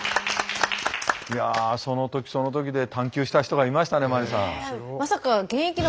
いやその時その時で探究した人がいましたね麻里さん。